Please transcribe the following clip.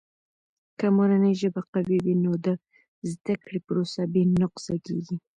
که مورنۍ ژبه قوي وي، نو د زده کړې پروسه بې نقصه کیږي.